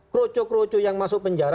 kroco kroco yang masuk penjara